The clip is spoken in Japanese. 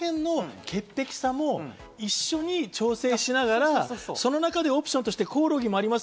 そこらへんの潔癖さも一緒に調整しながら、その中でオプションとしてコオロギもあります